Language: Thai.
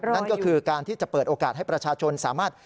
นั่นก็คือการที่จะเปิดโอกาสให้ประชาชนสามารถ